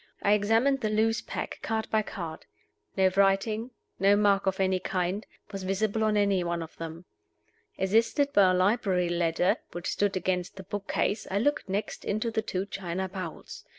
I examined the loose pack, card by card. No writing, no mark of any kind, was visible on any one of them. Assisted by a library ladder which stood against the book case, I looked next into the two china bowls.